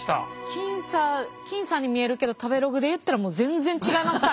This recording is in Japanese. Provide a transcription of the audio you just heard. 僅差僅差に見えるけど食べログでいったらもう全然違いますからね。